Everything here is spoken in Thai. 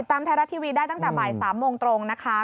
ตามไทยรัฐทีวีได้ตั้งแต่บ่าย๓โมงตรงนะคะ